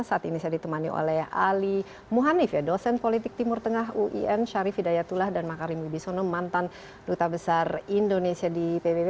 saat ini saya ditemani oleh ali muhanif ya dosen politik timur tengah uin syarif hidayatullah dan makarim wibisono mantan duta besar indonesia di pbb